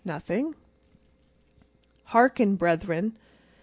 "Nothing." Hearken, brethren.